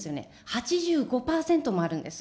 ８５％もあるんです。